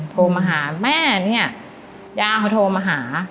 โทรมาหาแม่เนี่ยย่าเขาโทรมาหา